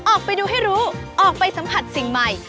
ออกไปดูให้รู้ออกไปสัมผัสสิ่งใหม่